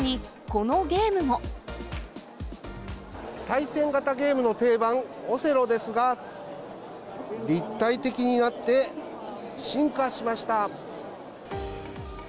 対戦型ゲームの定番、オセロですが、立体的になって、進化しました。